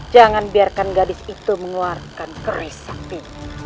jangan biarkan gadis itu mengeluarkan kerisakti